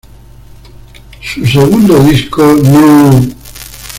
Su segundo disco, "No.